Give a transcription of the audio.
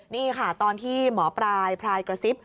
นี่ค่ะตอนที่หมอปลายพลายกระซิบ